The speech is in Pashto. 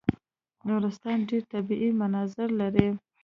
نورستان ډېر طبیعي مناظر لري.